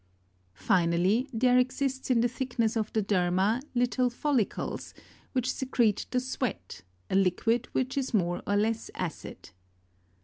I .). Finally, there exists in the thickness of the derma, little follicles which secrete the sweat, a liquid which is more or less acid.